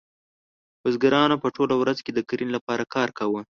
بزګرانو به ټوله ورځ د کرنې لپاره کار کاوه.